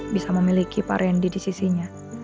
bisa memiliki pak randy di sisinya